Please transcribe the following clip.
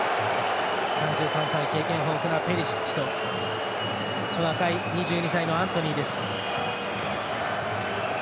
３３歳、経験豊富なペリシッチと若い２２歳のアントニーです。